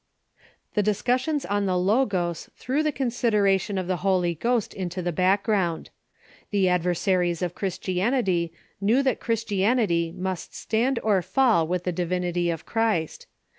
The discussions on the Logos threw the consideration of the Holy Ghost into the background. The adversaries of Chris tianity knew that Christianity must stand or fall with Ghost'^ the divinity of Christ.